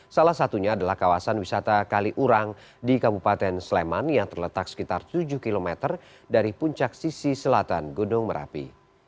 salah satunya adalah kawasan wisata kaliurang di kabupaten sleman yang terletak sekitar tujuh km dari puncak sisi selatan gunung merapi